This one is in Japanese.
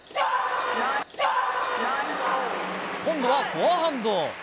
今度はフォアハンド。